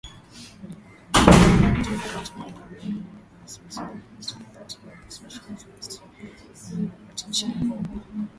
Ujumbe wa Umoja wa Mataifa nchini Libya ulielezea wasiwasi wake kuhusu ripoti ya uhamasishaji wa vikosi na harakati nchini humo .